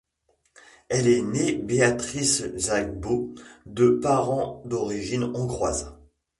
Elle est née Béatrice Szabó de parents d'origine hongroise.